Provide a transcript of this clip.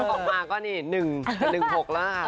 ออกมาก็๑๖แล้วนะคะ